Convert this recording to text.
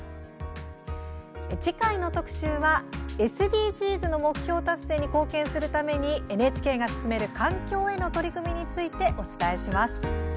次回の特集はＳＤＧｓの目標達成に貢献するためにＮＨＫが進める環境への取り組みについてお伝えします。